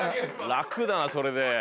楽だなそれで。